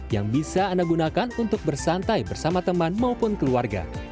yang bisa anda gunakan untuk bersantai bersama teman maupun keluarga